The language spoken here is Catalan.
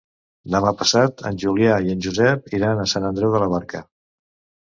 Demà passat en Julià i en Josep iran a Sant Andreu de la Barca.